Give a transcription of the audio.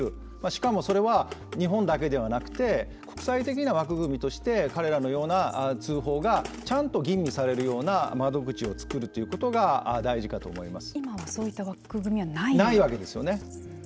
しかもそれは日本だけではなくて国際的な枠組みとして彼らのような通報がちゃんと吟味されるような窓口を作るということが今ないわけですよね。